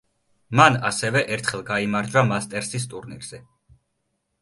მან ასევე ერთხელ გაიმარჯვა მასტერსის ტურნირზე.